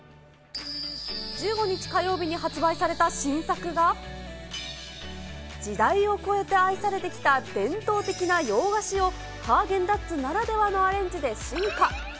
１５日火曜日に発売された新作が、時代を超えて愛されてきた伝統的な洋菓子を、ハーゲンダッツならではのアレンジで進化。